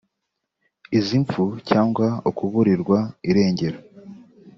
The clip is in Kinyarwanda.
Izi mfu cyangwa ukuburirwa irengero